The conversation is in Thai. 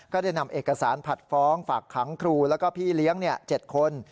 ได้นำเอกสารผัดฟ้องฝากขังครูแล้วก็พี่เลี้ยง๗คน